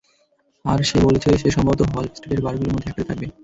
আর, সে বলেছে সে সম্ভবত হলস্টেডের বারগুলোর মধ্যে একটাতে থাকবে।